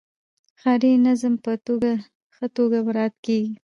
ښاري نظم په ښه توګه مراعات کیږي.